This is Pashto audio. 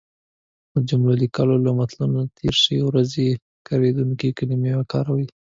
د جملو لیکلو کې له متلونو تېر شی. ورځنی کارېدونکې کلمې وکاروی